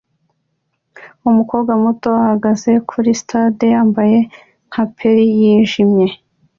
Umukobwa muto ahagaze kuri stage yambaye nka peri yijimye